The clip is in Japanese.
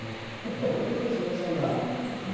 こういうことで決まっちゃうんだ。